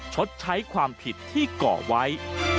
ชดใช้ความผิดที่เกาะไว้